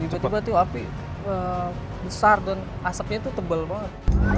tiba tiba tuh api besar dan asapnya itu tebal banget